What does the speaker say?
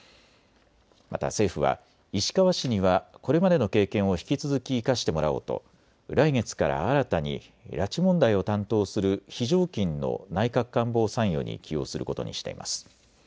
また政府は石川氏にはこれまでの経験を引き続き生かしてもらおうと来月から新たに拉致問題を担当する非常勤の内閣官房参与に起用することにしています。